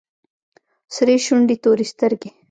سرې شونډې تورې سترگې.